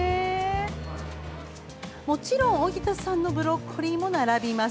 もちろん、荻田さんのブロッコリーも並びます。